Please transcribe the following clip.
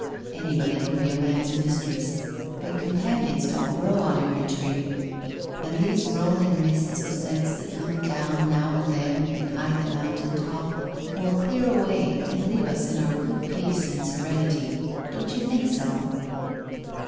Anybody can be a man's mistress, but companions don't grow on every tree. And these rolling mists of sense that come down now and then and hide the mountaintop, will clear away and leave us in our good peace and serenity. Don't you think so?'